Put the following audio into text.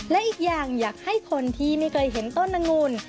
และอีกอย่างอยากให้คนที่ไม่เคยเห็นต้นอังุ่น